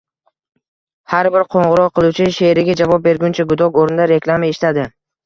Har bir qo’ng’iroq qiluvchi sherigi javob berguncha gudok o’rnida reklama eshitadi